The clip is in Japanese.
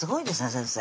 先生